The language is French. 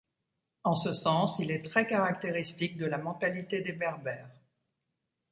En ce sens, il est très caractéristique de la mentalité des berbères.